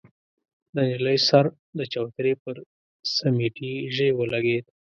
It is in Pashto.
د نجلۍ سر د چوترې پر سميټي ژۍ ولګېد.